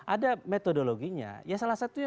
ada metodologinya ya salah satunya